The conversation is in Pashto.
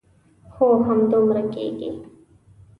هو همدومره کېږي.